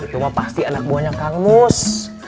itu mah pasti anak buahnya kangmus